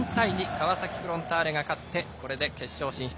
川崎フロンターレが勝って決勝進出。